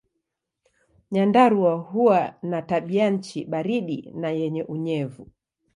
Nyandarua huwa na tabianchi baridi na yenye unyevu.